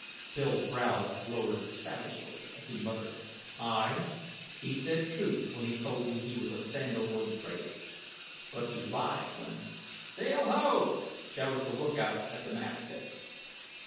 Bill's brows lowered savagely as he muttered, "Ay, he said truth when he told you he was a sandal wood trader, but he lied when " "Sail ho!" shouted the lookout at the masthead.